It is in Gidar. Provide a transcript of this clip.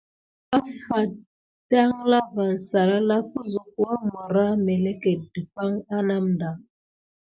Afate dangla van salala kuzuk wamərah meleket dəpaŋk a namda.